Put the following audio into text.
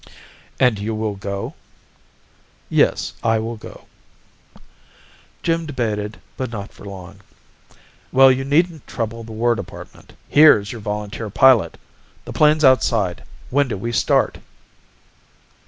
"And you will go?" "Yes, I will go." Jim debated, but not for long. "Well, you needn't trouble the War Department. Here's your volunteer pilot! The plane's outside. When do we start?"